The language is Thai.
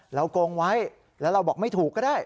โกงไว้แล้วเราบอกไม่ถูกก็ได้